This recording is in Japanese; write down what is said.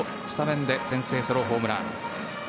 スタメンで先制ソロホームラン。